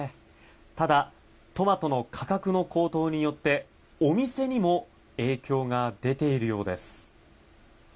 ただ、トマトの価格の高騰によってお店にも影響が出ているようです。